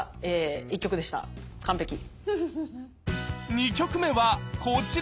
２曲目はこちら！